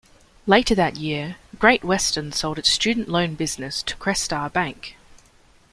Later that year, Great Western sold its student loan business to Crestar Bank.